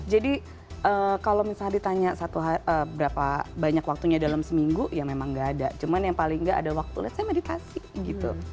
jadi kalau misalnya ditanya satu hari berapa banyak waktunya dalam seminggu ya memang gak ada cuma yang paling gak ada waktu saya meditasi gitu